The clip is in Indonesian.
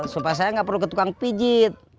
supaya saya nggak perlu ke tukang pijit